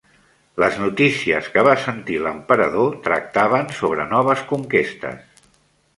Les notícies que va sentir l'emperador tractaven sobre noves conquestes.